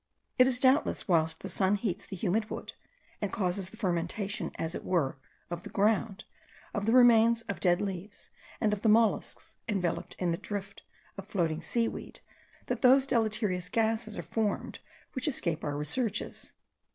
It is doubtless whilst the sun heats the humid wood, and causes the fermentation, as it were, of the ground, of the remains of dead leaves and of the molluscs enveloped in the drift of floating seaweed, that those deleterious gases are formed, which escape our researches.